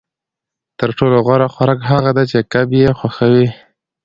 تر ټولو غوره خوراک هغه دی چې کب یې خوښوي